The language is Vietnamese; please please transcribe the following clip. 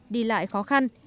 đi lại khó khăn